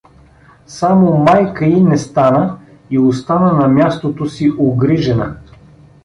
Само майка й не стана и остана на мястото си угрижена.